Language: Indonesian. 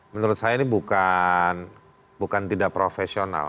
menurut saya ini bukan tidak profesional